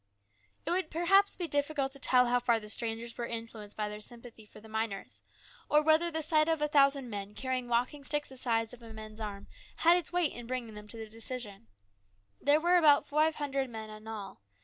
It would perhaps be difficult to tell how far the strangers were influenced by their sympathy for the miners, or whether the sight of a thousand men carrying walking sticks the size of a man's arm had its weight in bringing them to a decision. There were about five hundred men in all.